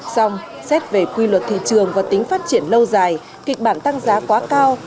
xong xét về quy luật thị trường và tính phát triển lâu dài kịch bản tăng giá quá cao